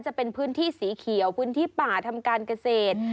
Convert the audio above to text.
จะเป็นพื้นที่สีเขียวพื้นที่ป่าทำการเกษตร